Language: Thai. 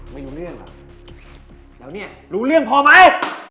ไม่รู้เรื่องหรอกแล้วเนี่ยรู้เรื่องพอไหม